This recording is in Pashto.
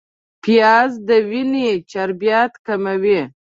پیاز د وینې چربیات کموي